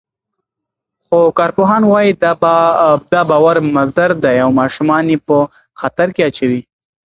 خو کارپوهان وايي، دا باور مضر دی او ماشومان یې په خطر کې اچوي.